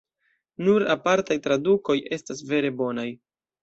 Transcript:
Nur apartaj tradukoj estas vere bonaj.